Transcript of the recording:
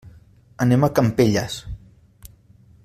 Anem a Campelles.